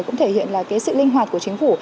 cũng thể hiện sự linh hoạt của chính phủ